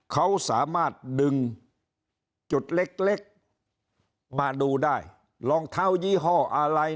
เขาสามารถดึงจุดเล็กมาดูได้รองเท้ายี่ห้ออะไร